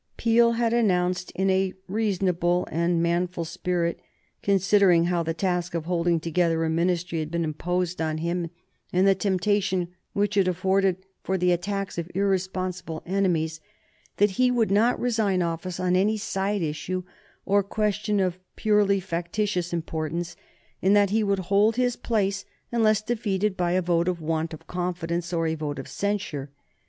Peel had announced, in a reasonable and manful spirit, considering how the task of holding together a Ministry had been imposed on him and the temptation which it afforded for the attacks of irresponsible enemies, that he would not resign office on any side issue or question of purely factitious importance, and that he would hold his place unless defeated by a vote of want of confidence or a vote of censure.